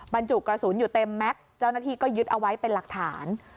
บรรจุกระสุนอยู่เต็มแม็กซ์เจ้าหน้าที่ก็ยึดเอาไว้เป็นหลักฐาน